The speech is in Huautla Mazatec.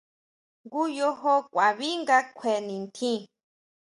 Jngu yojo ʼkuaví nga kjue nitjín.